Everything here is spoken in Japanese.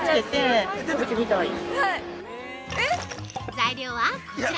◆材料はこちら。